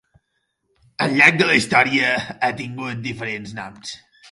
Al llarg de la història ha tingut diferents noms.